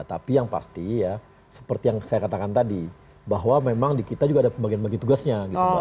tapi yang pasti ya seperti yang saya katakan tadi bahwa memang di kita juga ada pembagian bagi tugasnya